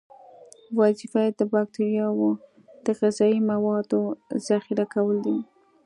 وظیفه یې د باکتریاوو د غذایي موادو ذخیره کول دي.